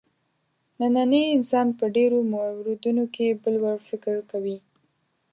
نننی انسان په ډېرو موردونو کې بل وړ فکر کوي.